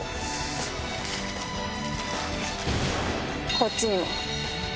こっちにも。